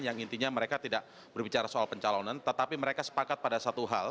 yang intinya mereka tidak berbicara soal pencalonan tetapi mereka sepakat pada satu hal